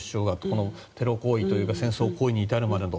このテロ行為というか戦争行為に至るまでの。